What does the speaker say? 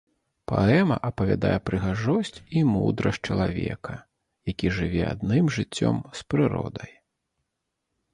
Паэма апявае прыгажосць і мудрасць чалавека, які жыве адным жыццём з прыродай.